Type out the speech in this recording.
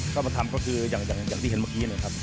ก็มาทำก็คืออย่างที่เห็นเมื่อกี้นะครับ